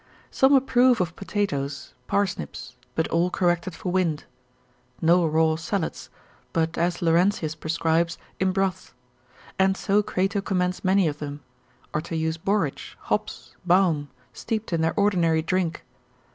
Some approve of potatoes, parsnips, but all corrected for wind. No raw salads; but as Laurentius prescribes, in broths; and so Crato commends many of them: or to use borage, hops, baum, steeped in their ordinary drink.